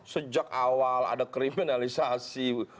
sejak awal ada kriminalisasi